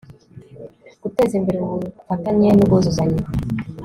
Guteza imbere ubufatanye n ubwuzuzanye